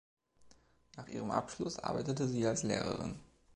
Nach ihrem Abschluss arbeitete sie als Lehrerin.